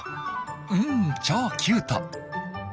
うん超キュート！